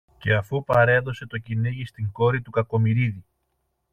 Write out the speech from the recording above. Και αφού παρέδωσε το κυνήγι στην κόρη του Κακομοιρίδη